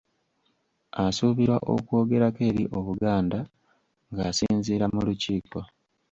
Asuubirwa okwogerako eri Obuganda ng’asinziira mu Lukiiko